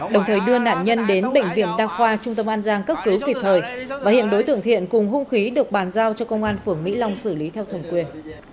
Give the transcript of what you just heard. đồng thời đưa nạn nhân đến bệnh viện đa khoa trung tâm an giang cấp cứu kịp thời và hiện đối tượng thiện cùng hung khí được bàn giao cho công an phường mỹ long xử lý theo thẩm quyền